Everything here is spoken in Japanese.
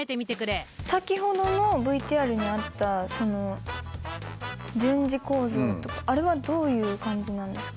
先ほどのＶＴＲにあった順次構造とかあれはどういう感じなんですか？